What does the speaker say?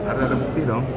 harus ada bukti dong